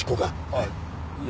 はい。